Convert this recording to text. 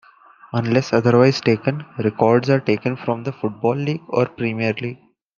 Unless otherwise stated, records are taken from the Football League or Premier League.